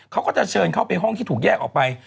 เขาก็จะเชิญเข้าไปห้องที่ถูกแยกออกไป